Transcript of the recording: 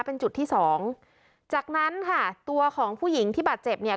เป็นจุดที่สองจากนั้นค่ะตัวของผู้หญิงที่บาดเจ็บเนี่ย